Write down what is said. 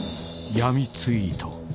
［闇ツイート］